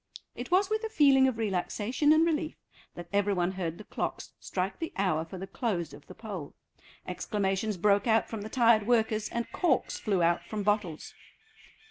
It was with a feeling of relaxation and relief that every one heard the clocks strike the hour for the close of the poll. Exclamations broke out from the tired workers, and corks flew out from bottles.